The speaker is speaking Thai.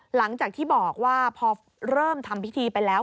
หลังจากที่บอกว่าพอเริ่มทำพิธีไปแล้ว